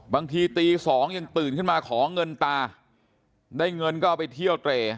บางทีตีสองยังตื่นขึ้นมาขอเงินตาได้เงินก็เอาไปเที่ยวเตร